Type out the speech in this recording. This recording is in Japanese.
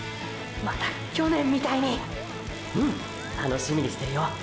また去年みたいにうん楽しみにしてるよ。